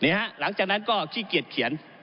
หลังจากนั้นก็ขี้เกียจเขียน